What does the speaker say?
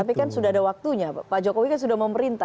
tapi kan sudah ada waktunya pak jokowi kan sudah memerintah